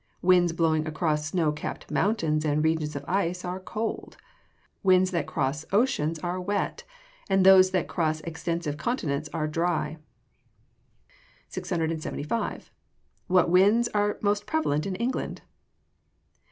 Winds blowing across snow capped mountains and regions of ice are cold. Winds that cross oceans are wet; and those that cross extensive continents are dry. 675. _What winds are most prevalent in England?